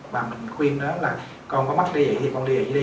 và mình khuyên nó là con có mắc đi vậy thì con đi vậy đi